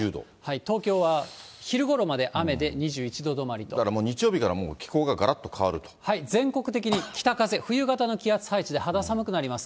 東京は昼ごろまで雨で２１度止まりだからもう、日曜日から気候全国的に北風、冬型の気圧配置で肌寒くなります。